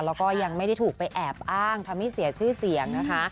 แล้วก็ยังไม่ได้ถูกไปแอบอ้างทำให้เสียชื่อเสียงนะคะ